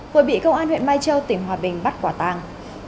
vừa bị công an huyện mai châu tỉnh hòa bình bắt quả tàng